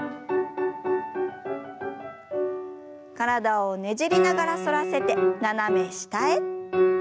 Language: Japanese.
体をねじりながら反らせて斜め下へ。